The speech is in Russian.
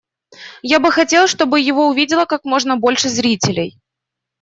Я бы хотел, чтобы его увидело как можно больше зрителей.